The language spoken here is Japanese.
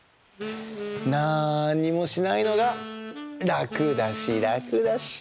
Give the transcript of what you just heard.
なんにもしないのがらくだしらくだし。